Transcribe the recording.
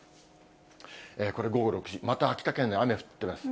これ、午後６時、また秋田県で雨降ってます。